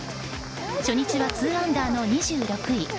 初日は２アンダーの２６位。